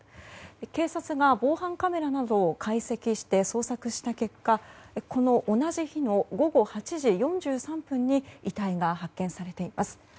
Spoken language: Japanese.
警察が防犯カメラなどを解析して捜索した結果同じ日の午後８時４３分に遺体が発見されています。